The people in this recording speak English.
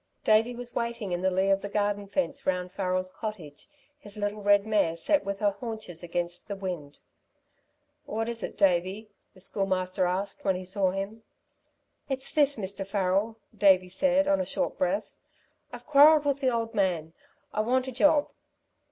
Davey was waiting in the lee of the garden fence round Farrel's cottage, his little red mare set with her haunches against the wind. "What is it, Davey?" the Schoolmaster asked when he saw him. "It's this, Mr. Farrel," Davey said, on a short breath, "I've quarrelled with the old man. I want a job."